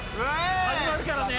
始まるからね。